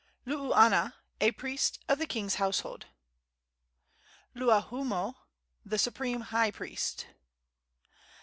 Luuana, a priest of the king's household. Luahoomoe, the supreme high priest.